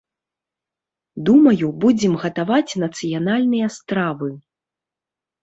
Думаю, будзем гатаваць нацыянальныя стравы.